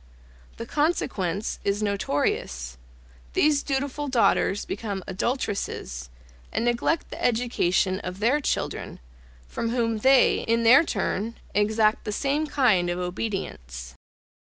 The consequence is notorious; these dutiful daughters become adulteresses, and neglect the education of their children, from whom they, in their turn, exact the same kind of obedience.